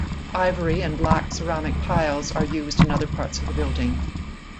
Ivory and black ceramic tiles are used in other parts of the building.